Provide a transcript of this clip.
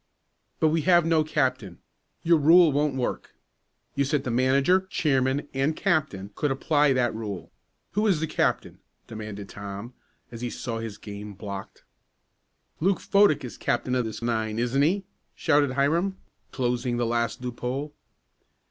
"But we have no captain your rule won't work. You said the manager, chairman and captain could apply that rule. Who is the captain?" demanded Tom, as he saw his game blocked. "Luke Fodick is captain of this nine; isn't he?" shouted Hiram, closing the last loophole.